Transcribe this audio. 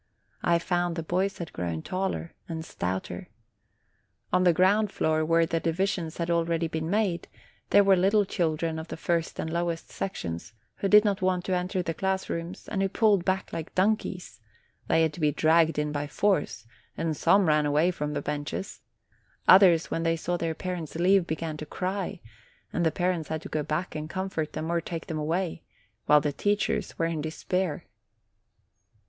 I found the boys had grown taller and stouter. On the ground floor, where the divisions had already been made, there were little chil dren of the first and lowest sections, who did not want to enter the class rooms, and who pulled back like donkeys : they had to be dragged in by force, and some THE FIRST DAY OF SCHOOL 3 ran away from the benches; others, when they saw their parents leave, began to cry, and the parents had to go back and comfort them, or take them away; while the teachers were in despair.